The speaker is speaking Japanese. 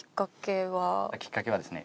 きっかけはですね